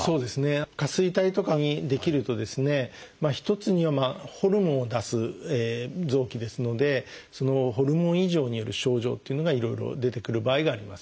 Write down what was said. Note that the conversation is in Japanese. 下垂体とかに出来るとですね一つにはホルモンを出す臓器ですのでホルモン異常による症状っていうのがいろいろ出てくる場合があります。